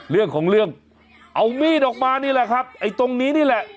เรื่องของเรื่องเอามีดออกมานี่แหละครับไอ้ตรงนี้นี่แหละ